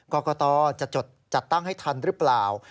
กรกตจะจดจัดตั้งให้ทันหรือเปล่า